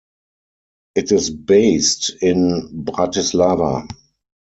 It is based in Bratislava.